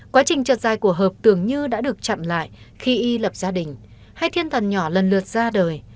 quá trình trượt dài của hợp tưởng như đã được chặn lại khi y lập gia đình hay thiên thần nhỏ lần lượt ra đời